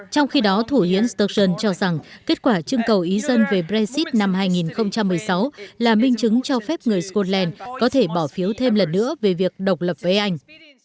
trong khi đó thủ hiến sturgeon cho rằng kết quả trưng cầu ý dân về brexit năm hai nghìn một mươi sáu là minh chứng cho phép người scotland có thể bỏ phiếu thêm lần nữa về việc độc lập với anh